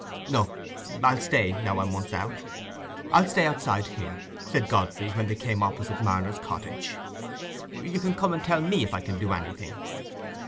"No, I'll stay, now I'm once out—I'll stay outside here," said Godfrey, when they came opposite Marner's cottage. "You can come and tell me if I can do anything."